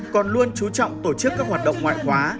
còn luôn chú trọng tổ chức các hoạt động ngoại khóa